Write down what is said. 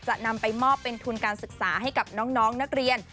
จะนำไปมอบเป็นทุนการศึกษาให้กับน้องนักเรียน